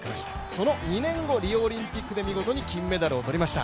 その２年後、リオオリンピックで見事に金メダルを取りました。